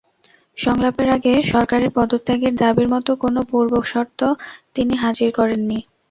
সংলাপের আগে সরকারের পদত্যাগের দাবির মতো কোনো পূর্বশর্ত তিনি হাজির করেননি।